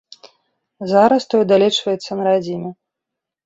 Зараз той далечваецца на радзіме.